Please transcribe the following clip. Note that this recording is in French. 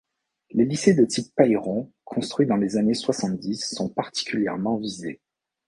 Les lycées de type Pailleron construits dans les années soixante-dix sont particulièrement visés.